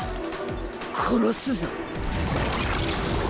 殺すぞ。